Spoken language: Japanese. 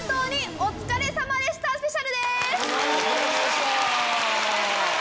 お疲れさまでした！